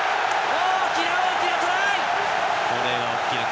大きな大きなトライ！